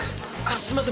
すいません！